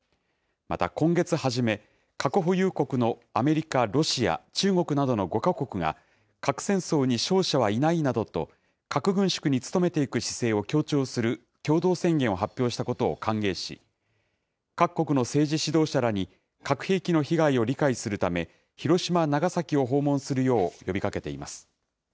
また今月初め、核保有国のアメリカ、ロシア、中国などの５か国が、核戦争に勝者はいないなどと、核軍縮に努めていく姿勢を強調する共同宣言を発表したことを歓迎し、各国の政治指導者らに核兵器の被害を理解するため、広島、長崎を訪問するよう呼びかけています。